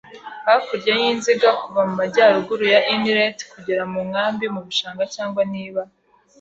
hakurya y'izinga kuva mu majyaruguru ya Inlet kugera mu nkambi mu bishanga cyangwa niba